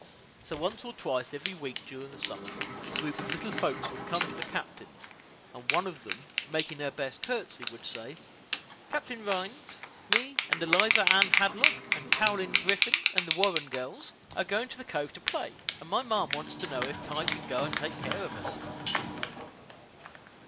So, once or twice every week during the summer, a group of little folks would come to the captain's, and one of them, making her best "courtesy," would say, "Captain Rhines, me, and Eliza Ann Hadlock, and Caroline Griffin, and the Warren girls, are going down to the cove to play, and my marm wants to know if Tige can go and take care of us."